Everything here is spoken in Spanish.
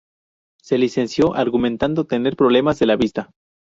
Se licenció argumentando tener problemas de la vista.